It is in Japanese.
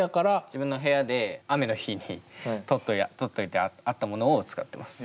自分の部屋で雨の日にとっておいてあったものを使ってます。